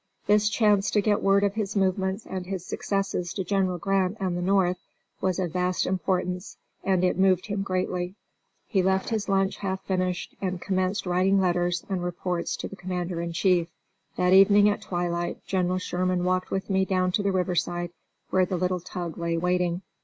This chance to get word of his movements and his successes to General Grant and the North was of vast importance, and it moved him greatly. He left his lunch half finished and commenced writing letters and reports to the commander in chief. That evening at twilight General Sherman walked with me down to the riverside where the little tug lay waiting.